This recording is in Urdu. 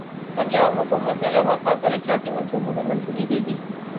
پنجاب حکومت نے رواں سال ترقیاتی منصوبوں کی منظوری دیدی